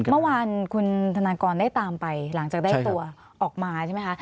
เมื่อวานคุณธนากรได้ตามไปหลังจากได้ตัวออกมาใช่ไหมคะ